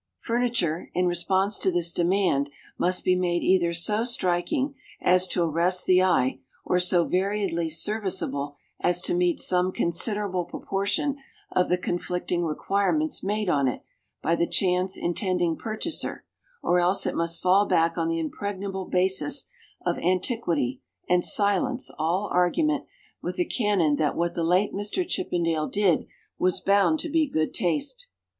Furniture, in response to this demand, must be made either so striking as to arrest the eye, or so variedly serviceable as to meet some considerable proportion of the conflicting requirements made on it by the chance intending purchaser, or else it must fall back on the impregnable basis of antiquity and silence all argument with the canon that what the late Mr. Chippendale did was bound to be "good taste."